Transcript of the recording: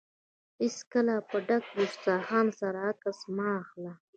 هېڅکله په ډک دوسترخان سره عکس مه اخله.